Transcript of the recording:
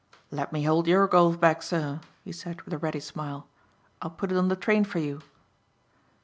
"Let me hold your golf bag, sir," he said with a ready smile. "I'll put it on the train for you."